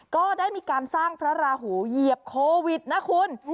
ก็ได้มีการสร้างพระราหูเหยียบโควิดนะคุณ